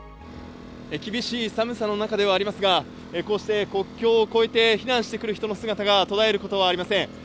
厳しい寒さの中ではありますが、こうして国境を越えて避難してくる人の姿が途絶えることはありません。